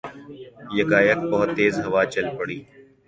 یکایک بہت تیز ہوا چل پڑی